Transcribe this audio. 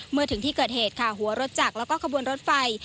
เมื่อถึงที่เกิดเหตุค่ะหัวรถจักรแล้วก็ขบวนรถไฟ